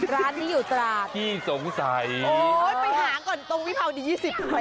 ไปหาตรงพี่เผาดินยี่สิบ